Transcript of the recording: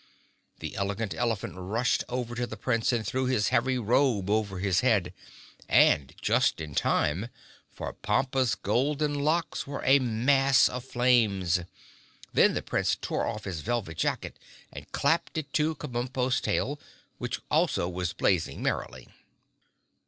The Elegant Elephant rushed over to the Prince and threw his heavy robe over his head. And just in time, for Pompa's golden locks were a mass of flames. Then the Prince tore off his velvet jacket and clapped it to Kabumpo's tail, which also was blazing merrily.